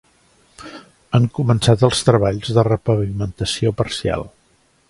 Han començat els treballs de repavimentació parcial.